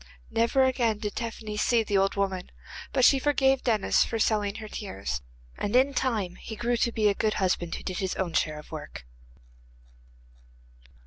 Never again did Tephany see the old woman, but she forgave Denis for selling her tears, and in time he grew to be a good husband, who did his own share of work.